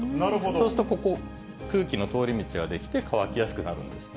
そうするとここ、空気の通り道が出来て、乾きやすくなるんですって。